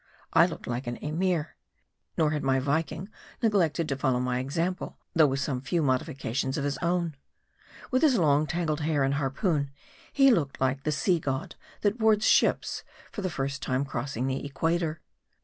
I looked like an Emir. Nor had my Viking neglected to follow my exam MARDI. 153 pie ; though with some few modifications of his own. With his long tangled hair and harpoon, he looked like the sea god, that boards ships, for the first time crossing the Equator.